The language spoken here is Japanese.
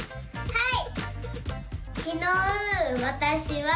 はい！